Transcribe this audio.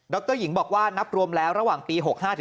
รหญิงบอกว่านับรวมแล้วระหว่างปี๖๕